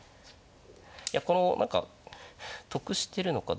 いやこの何か得してるのかどうかが。